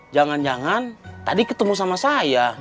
jangan jangan tadi ketemu sama saya